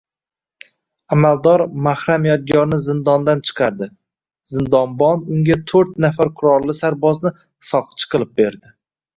Amaldor mahram Yodgorni zindondan chiqardi, zindonbon unga toʻrt nafar qurolli sarbozni soqchi qilib berdi